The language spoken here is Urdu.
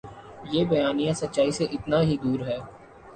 یہ بیانیہ سچائی سے اتنا ہی دور ہے۔